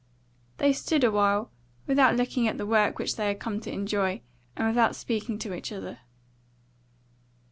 They stood a while, without looking at the work which they had come to enjoy, and without speaking to each other.